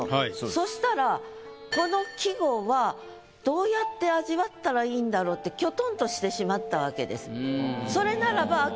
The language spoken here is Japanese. そしたらこの季語はどうやって味わったらいいんだろうってキョトンとしてしまったわけです。